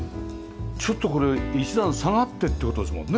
ちょっとこれ１段下がってって事ですもんね。